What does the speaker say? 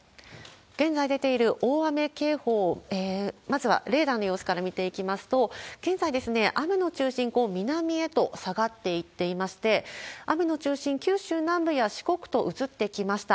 現在出ている大雨警報、まずはレーダーの様子から見ていきますと、現在、雨の中心、南へと下がっていっていまして、雨の中心、九州南部と四国と移ってきました。